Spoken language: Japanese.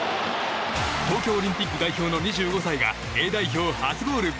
東京オリンピック代表の２５歳がＡ代表初ゴール。